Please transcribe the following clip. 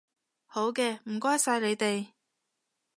好嘅，唔該曬你哋